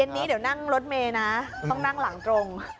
อันนี้เดี๋ยวนั่งรถเมย์นะต้องนั่งหลังตรง